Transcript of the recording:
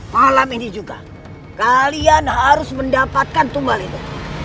malam ini juga kalian harus mendapatkan tumbal itu